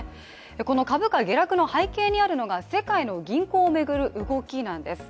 この株価下落の背景にあるのが世界の銀行を巡る動きなんです。